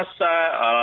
alasan dengan kesehatan